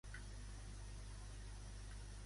Quina és la intenció de García?